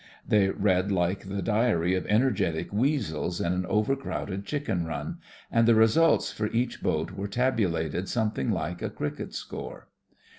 They read like the diary of energetic weasels in an over crowded chicken run, and the results for each boat were tabulated some thing like a cricket score.